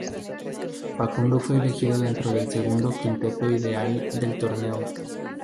Facundo fue elegido dentro del segundo quinteto ideal del torneo.